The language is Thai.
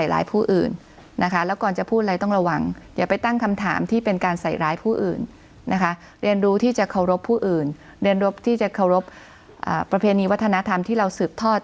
เรียนรู้ที่จะเคารพผู้อื่นเรียนรบที่จะเคารพประเพณีวัฒนธรรมที่เราสืบทอด